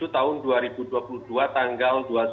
tahun dua ribu dua puluh dua tanggal